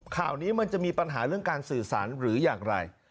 ข่าวนี้มันจะมีปัญหาเรื่องการสื่อสารหรืออย่างไร